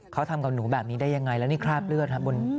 เขาทำกับหนูแบบนี้ได้ยังไงแล้วนี่คราบเลือดครับ